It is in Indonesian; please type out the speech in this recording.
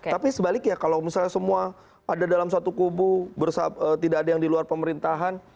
tapi sebaliknya kalau misalnya semua ada dalam satu kubu tidak ada yang di luar pemerintahan